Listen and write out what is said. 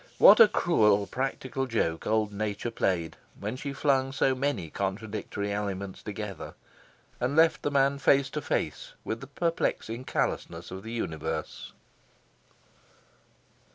What a cruel practical joke old Nature played when she flung so many contradictory elements together, and left the man face to face with the perplexing callousness of the universe.